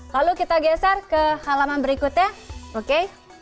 lalu kita geser ke halaman berikutnya oke